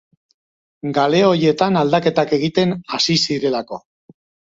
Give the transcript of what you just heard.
Galeoietan aldaketak egiten hasi zirelako.